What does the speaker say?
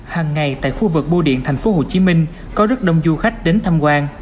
hàng ngày tại khu vực bô điện tp hcm có rất đông du khách đến thăm quan